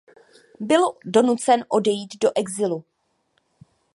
Byl donucen odejít do exilu.